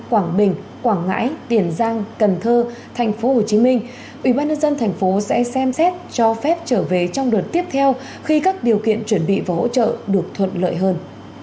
ủy ban nhân dân thành phố sẽ xem xét cho phép trở về trong đợt tiếp theo khi các điều kiện chuẩn bị và hỗ trợ được thuận lợi hơn